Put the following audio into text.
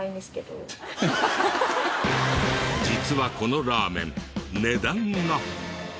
実はこのラーメン値段が。